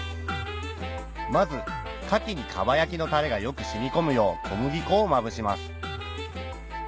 まず牡蠣に蒲焼きのタレがよく染み込むよう小麦粉をまぶします